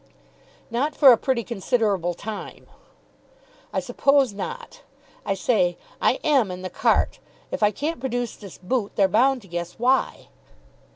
"Not for a pretty considerable time." "I suppose not. I say, I am in the cart. If I can't produce this boot, they're bound to guess why."